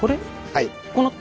はい。